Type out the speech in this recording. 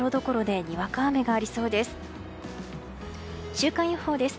週間予報です。